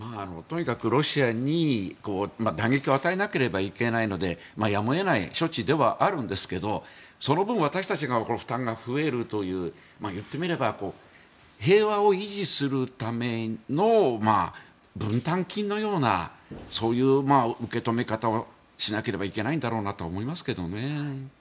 とにかくロシアに打撃を与えなければいけないのでやむを得ない処置ではあるんですがその分私たちの負担が増えるという言ってみれば平和を維持するための分担金のようなそういう受け止め方をしなければいけないんだろうなと思いますけどね。